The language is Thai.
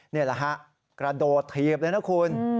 นี่แหละครับกระโดดทีบเลยนะครับคุณ